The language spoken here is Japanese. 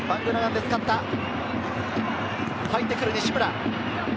入ってくる西村。